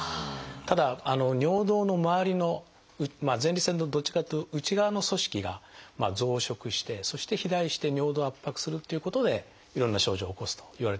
ただ尿道のまわりの前立腺のどっちかっていうと内側の組織が増殖してそして肥大して尿道を圧迫するっていうことでいろんな症状を起こすといわれています。